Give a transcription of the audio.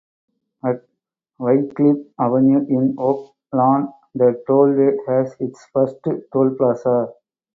At Wycliff Avenue in Oak Lawn the Tollway has its first toll plaza.